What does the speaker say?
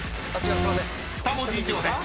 ［２文字以上です］